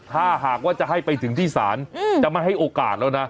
ถ้าหากว่าจะให้ไปถึงที่ศาลจะไม่ให้โอกาสแล้วนะ